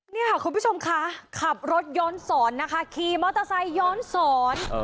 นี่ค่ะคุณผู้ชมค่ะขับรถย้อนสอนนะคะขี่มอเตอร์ไซค์ย้อนสอน